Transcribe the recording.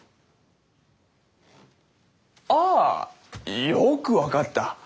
ああよく分かった。